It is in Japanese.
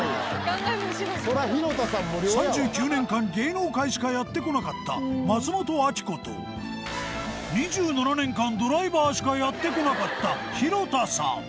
３９年間芸能界しかやってこなかった松本明子と２７年間ドライバーしかやってこなかった廣田さん